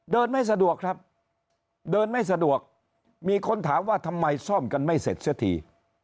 ไม่สะดวกครับเดินไม่สะดวกมีคนถามว่าทำไมซ่อมกันไม่เสร็จเสียที